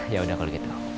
ya udah kalau gitu